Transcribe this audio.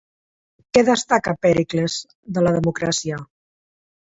Què destaca Pèricles de la democràcia?